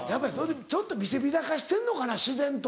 ちょっと見せびらかしてんのかな自然と。